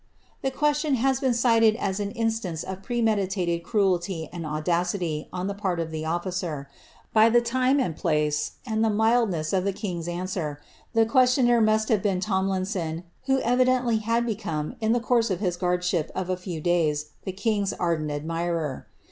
' The question has been cited as an instanc of premeditated cruelty and audacity, on the part of the officer. B the time and place, and the mildness of the king's answer, the qua tioner must have been Tomlinson, who evidently had become, in ik course of his guardship of a few days, the king's ardent admirer.